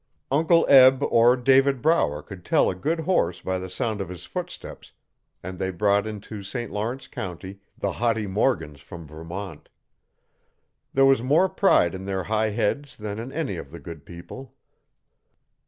Uncle Eb or David Brower could tell a good horse by the sound of his footsteps, and they brought into St Lawrence County the haughty Morgans from Vermont. There was more pride in their high heads than in any of the good people.